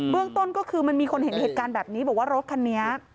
เรื่องต้นก็คือมันมีคนเห็นเหตุการณ์แบบนี้บอกว่ารถคันนี้